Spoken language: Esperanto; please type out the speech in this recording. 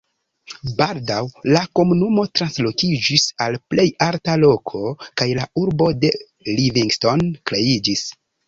Baldaŭ la komunumo translokiĝis al plej alta loko kaj la urbo de Livingstone kreiĝis.